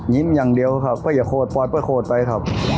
ยิ้มอย่างเดียวครับเพื่ออย่าโคตรปลอดเพื่อโคตรไปครับ